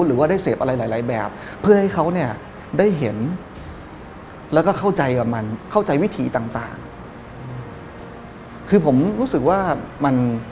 หรือว่าได้เสพอะไรหลายแบบ